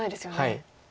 はい。